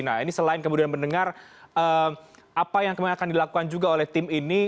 nah ini selain kemudian mendengar apa yang akan dilakukan juga oleh tim ini